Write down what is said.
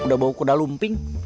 udah bau kuda lumping